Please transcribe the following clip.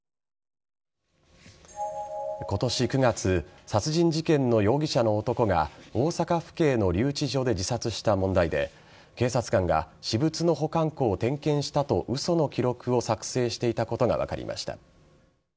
今年９月殺人事件の容疑者の男が大阪府警の留置場で自殺した問題で警察官が私物の保管庫を点検したと嘘の記録を作成していたことが分かりました。